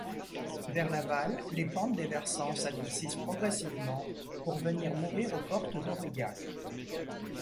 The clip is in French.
Vers l'aval, les pentes des versants s'adoucissent progressivement pour venir mourir aux portes d'Aurillac.